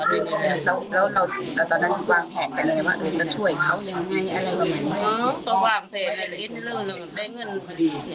เราเราตอนนั้นความแผนกันเลยว่าเฮ้อจะช่วยเขายังไงอะไรบางนี้